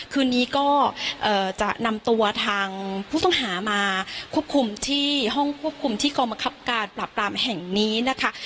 คืนนี้ก็จะนำตัวทางผู้ต้องหามาควบคุมที่ห้องควบคุมที่กองบังคับการปราบปรามแห่งนี้นะคะ